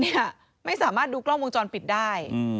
เนี่ยไม่สามารถดูกล้องวงจรปิดได้